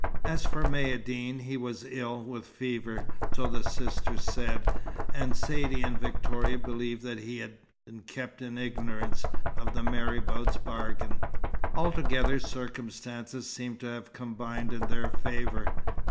As for Maïeddine, he was ill with fever, so the sisters said, and Saidee and Victoria believed that he had been kept in ignorance of the marabout's bargain. Altogether, circumstances seemed to have combined in their favour.